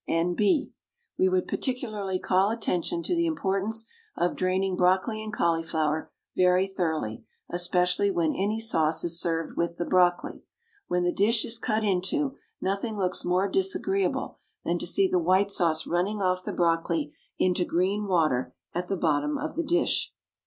N.B. We would particularly call attention to the importance of draining brocoli and cauliflower very thoroughly, especially when any sauce is served with the brocoli. When the dish is cut into, nothing looks more disagreeable than to see the white sauce running off the brocoli into green water at the bottom of the dish.